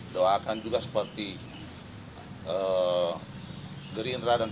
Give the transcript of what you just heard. doakan juga seperti gerindra dan